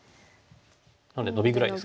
なんでノビぐらいですか。